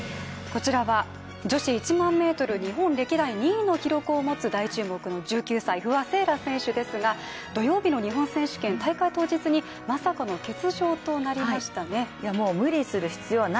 こちらは、女子１００００ｍ日本歴代２位の記録を持つ大注目の１９歳、不破聖衣来選手ですが、土曜日の日本選手権、大会当日にまさかの欠場となりましたね。